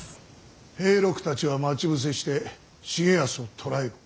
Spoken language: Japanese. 平六たちは待ち伏せして重保を捕らえよ。